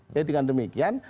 jadi dengan demikian